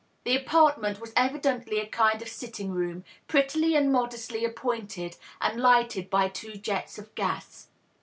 The apart ment was evidently a kind of sitting room, prettily and modestly ap pointed, and lighted by two jets of gas.